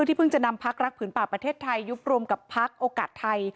ที่เพิ่งจะนำพักรักผืนป่าประเทศไทยยุบรวมกับพักโอกาสไทย